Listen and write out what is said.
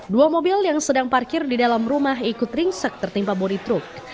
dua mobil yang sedang parkir di dalam rumah ikut ringsek tertimpa bodi truk